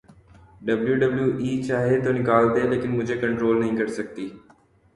W W E چاہے تو نکال دے لیکن مجھے کنٹرول نہیں کر سکتی